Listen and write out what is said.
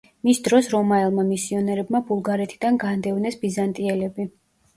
მის დროს რომაელმა მისიონერებმა ბულგარეთიდან განდევნეს ბიზანტიელები.